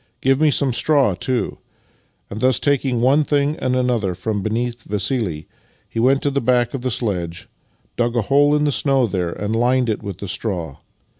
Give me some straw, too," and, thus taking one thing and another from beneath Vassili, he went to the back of the sledge, dug a hole in the snow there, and lined it with straw.